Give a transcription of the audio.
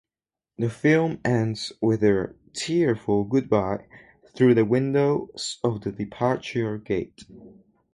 The film ends with their tearful goodbye through the windows of the departure gate.